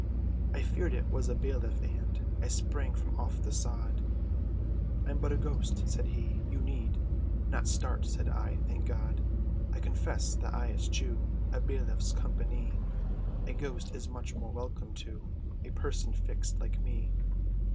I feared it was a bailiff, and I sprang from off the sod! "I'm but a ghost!" said he, "you need Not start" said I "thank God! "I must confess, that I eschew A bailiff's companie, "A ghost, is much more welcome, to A person fixed like me."